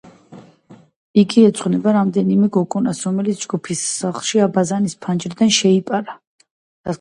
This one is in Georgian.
იგი ეძღვნება რამდენიმე გოგონას, რომელიც ჯგუფის სახლში აბაზანის ფანჯრიდან შეიპარა.